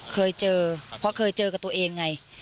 เคยเจอเพราะเคยเจอกับตัวเองไง